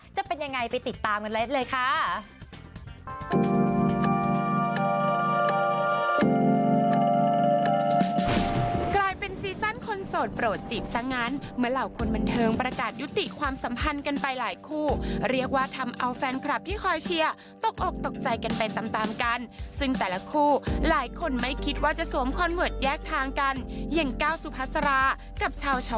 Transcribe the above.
จะเป็นยังไงไปติดตามกันเลยค่ะ